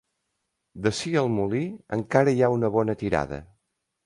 D'ací al molí encara hi ha una bona tirada.